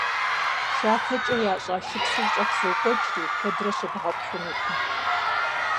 ШатэкӀэ ящӀа шыпсыр щӀэх зокӀуэкӀри, куэдрэ щыбгъэт хъунукъым.